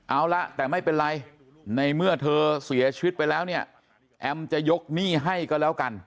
เอาละแต่ไม่เป็นไรในเมื่อเธอเสียชีวิตไปแล้วเนี่ยแอมจะยกหนี้ให้ก็แล้วกัน